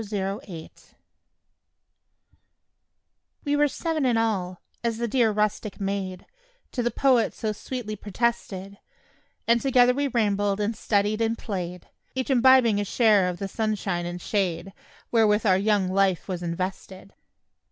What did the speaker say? BOYS AND GIRLS We were "seven in all," as the dear rustic maid To the poet so sweetly protested; And together we rambled and studied and played, Each imbibing a share of the sunshine and shade Wherewith our young life was invested.